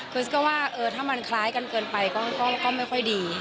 คือวิวซ์ก็ว่าเออถ้ามันคล้ายกันเกินไปก็ไม่ค่อยดี